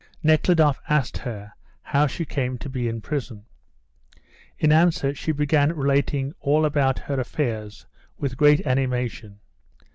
Nekhludoff asked her how she came to be in prison. In answer she began relating all about her affairs with great animation.